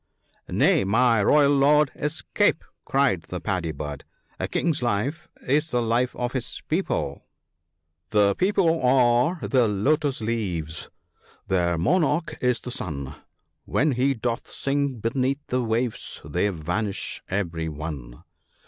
" Nay ! my royal Lord, escape !" cried the Paddy bird ; a king's life is the life of his people, —'* The people are the lotus leaves, their monarch is the sun — When he doth sink beneath the waves they vanish every one.